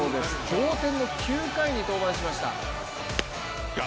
同点の９回に登板しました。